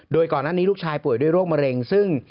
โดยก่อนอันนี้ลูกชายผ่วยโรคมะเร็งซึ่ง